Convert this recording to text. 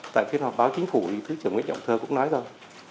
tại phiên họp báo chính phủ thứ trưởng nguyễn trọng thơ cũng nói rồi